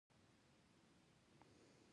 تاریخي روایتونه راته وايي.